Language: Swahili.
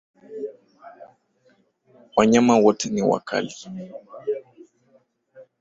Wanyama wote ni wakali